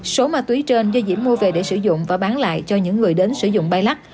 số ma túy trên do diễm mua về để sử dụng và bán lại cho những người đến sử dụng bay lắc